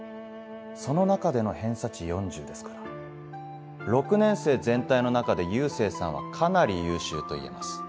その中での偏差値４０ですから６年生全体の中で佑星さんはかなり優秀と言えます。